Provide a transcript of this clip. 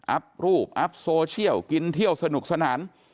รูปอัพโซเชียลกินเที่ยวสนุกสนาน